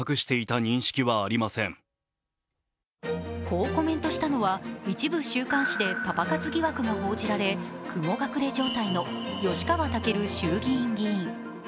こうコメントしたのは一部週刊誌でパパ活疑惑が報じられ雲隠れ状態の吉川赳衆議院議員。